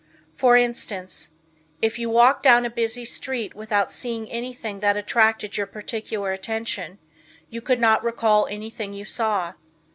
For instance if you walked down a busy street without seeing anything that attracted your particular attention, you could not recall anything you saw.